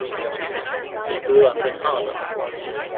He grew up in Harlem.